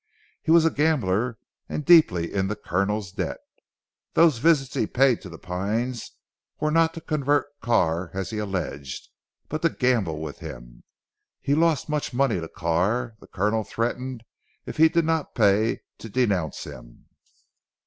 He was a gambler, and deeply in the Colonel's debt. Those visits he paid to 'The Pines' were not to convert Carr as he alleged, but to gamble with him. He lost much money to Carr. The Colonel threatened if he did not pay, to denounce him.